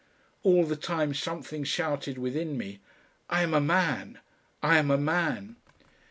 All the time something shouted within me: "I am a man! I am a man!"...